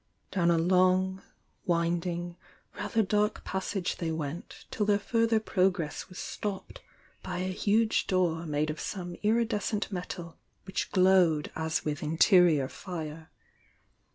Down a long, winding, rather dark passage they went till their further progress was stopped by a huge door made of some iridescent metal which glowed as with interior fire.